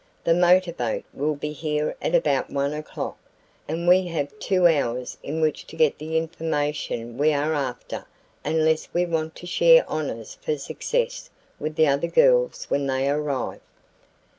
"The motorboat will be here at about 1 o'clock, and we have two hours in which to get the information we are after unless we want to share honors for success with the other girls when they arrive."